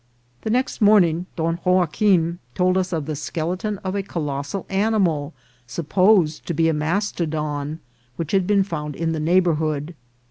The next morning Don Joaquim told us of the skel eton of a colossal animal, supposed to be a mastodon, which had been found in the neighbourhood.